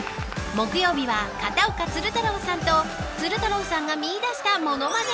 木曜日は、片岡鶴太郎さんと鶴太郎さんが見いだしたモノマネ